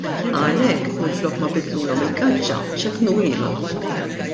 Għalhekk minflok ma biddlulhom il-gaġġa, ċekknuhielhom.